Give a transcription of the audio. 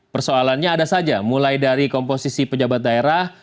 persoalannya ada saja mulai dari komposisi pejabat daerah